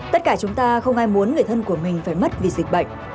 tất cả chúng ta không ai muốn người thân của mình phải mất vì dịch bệnh